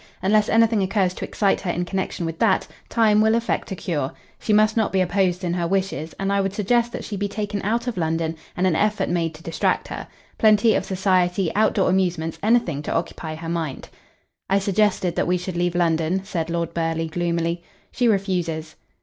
Unless anything occurs to excite her in connection with that, time will effect a cure. She must not be opposed in her wishes, and I would suggest that she be taken out of London and an effort made to distract her. Plenty of society, outdoor amusements anything to occupy her mind." "I suggested that we should leave London," said Lord Burghley gloomily. "She refuses."